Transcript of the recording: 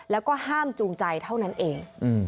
แล้วก็ห้ามจูงใจเท่านั้นเอง